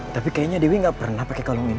tapi kayaknya dewi gak pernah pakai kalung ini